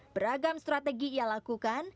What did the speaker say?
beragam strategi ia lakukan